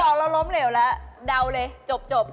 สมองเราล้มเหลวแล้วดาวเลยจบ